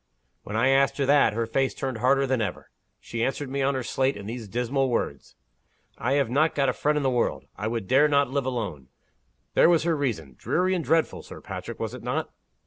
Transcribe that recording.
When I asked her that, her face turned harder than ever. She answered me on her slate in these dismal words: 'I have not got a friend in the world. I dare not live alone.' There was her reason! Dreary and dreadful, Sir Patrick, was it not?"